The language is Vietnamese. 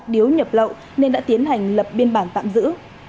điếu nhập lậu nên đã tiến hành lập biên bản tạm giữ